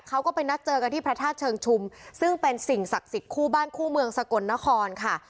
เขาก็ไปนัดเจอกันที่พระธาตุเชิงชุมซึ่งเป็นสิ่งศักดิ์สิทธิ์คู่บ้านคู่เมืองสกลนครค่ะ